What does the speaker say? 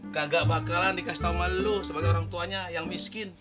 kagak bakalan dikasih tahu sama lu sebagai orang tuanya yang miskin